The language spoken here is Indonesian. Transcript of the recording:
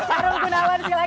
sherul gunawan silahkan